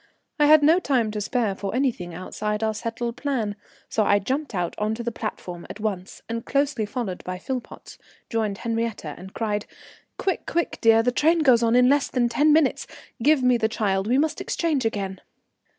I had no time to spare for anything outside our settled plan, so I jumped out on to the platform at once, and closely followed by Philpotts joined Henriette, and cried: "Quick, quick, dear, the train goes on in less than ten minutes. Give me the child, we must exchange again."